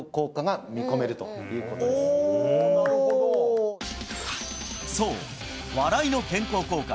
なるほどそう笑いの健康効果